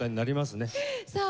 さあ